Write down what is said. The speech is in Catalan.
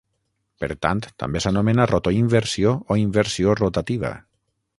Per tant, també s'anomena rotoinversió o inversió rotativa.